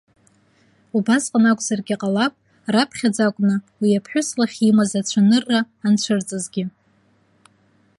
Убасҟан акәзаргьы ҟалап, раԥхьаӡа акәны, уи аԥҳәыс лахь имаз ацәанырра анцәырҵызгьы.